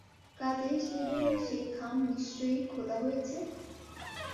কাজেই সুইডেনের সেই খাম নিশ্চয়ই খোলা হয়েছে।